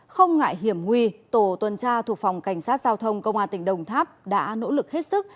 không ngại hiểm nguy tổ tuần tra thuộc phòng cảnh sát giao thông công an tỉnh đồng tháp đã nỗ lực hết sức